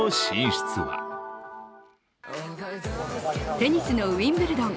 テニスのウィンブルドン。